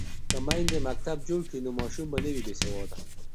که میندې مکتب جوړ کړي نو ماشوم به نه وي بې سواده.